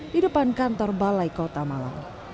di depan kantor balai kota malang